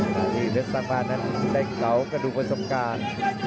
ตอนนี้เพชรสร้างบ้านนั้นได้เกากระดูกประสบการณ์